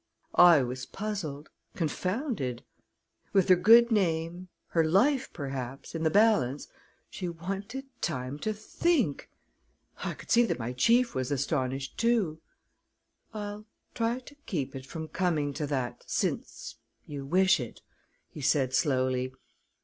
I was puzzled confounded. With her good name, her life, perhaps, in the balance, she wanted time to think! I could see that my chief was astonished, too. "I'll try to keep it from coming to that, since you wish it," he said slowly.